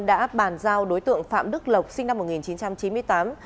đã bàn giao đối tượng phạm đức lộc sinh năm một nghìn chín trăm chín mươi tám